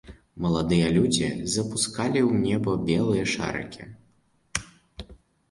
Маладыя людзі запускалі ў неба белыя шарыкі.